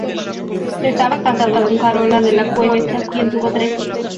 Estaba casado con Carola de la Cuesta, con quien tuvo tres hijos.